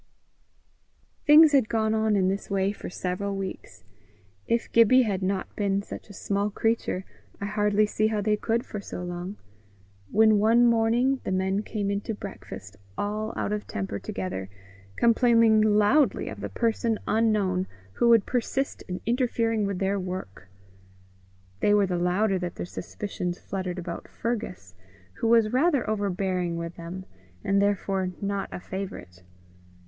Things had gone on in this way for several weeks if Gibbie had not been such a small creature, I hardly see how they could for so long when one morning the men came in to breakfast all out of temper together, complaining loudly of the person unknown who would persist in interfering with their work. They were the louder that their suspicions fluttered about Fergus, who was rather overbearing with them, and therefore not a favourite.